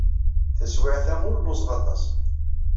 Taswiɛt-a, ur lluẓeɣ aṭas.